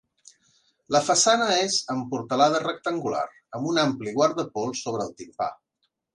La façana és amb portalada rectangular amb un ampli guardapols sobre el timpà.